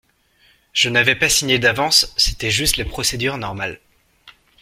Je n’avais pas signé d’avance, c’était juste la procédure normale.